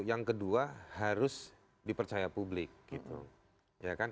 yang kedua harus dipercaya publik gitu